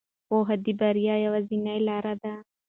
پوهه د بریا یوازینۍ لار ده.